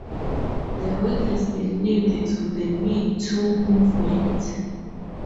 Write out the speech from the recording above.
The work has been linked to the Me Too movement.